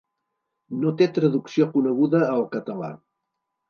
No té traducció coneguda al català.